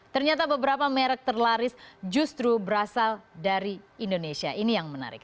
ternyata beberapa merek terlaris justru berasal dari indonesia ini yang menarik